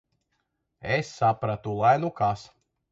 Es sapratu - lai nu kas.